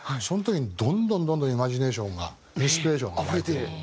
その時にどんどんどんどんイマジネーションがインスピレーションが湧いて。